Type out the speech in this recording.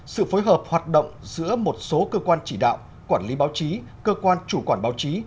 sự phối hợp hoạt động giữa một số cơ quan chỉ đạo quản lý báo chí cơ quan chủ quản báo chí